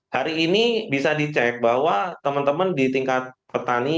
hari ini bisa dicek bahwa teman teman di tingkat petani